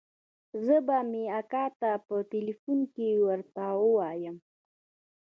زه به مې اکا ته په ټېلفون کښې ورته ووايم.